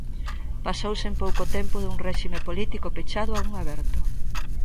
Pasouse en pouco tempo dun réxime político pechado a un aberto.